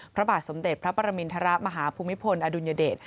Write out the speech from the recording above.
พระบาทสมเด็จพระปรมินทรมาฮภูมิพลอดุลยเดช